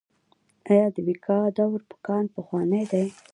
آیا د ویکادور کان پخوانی دی؟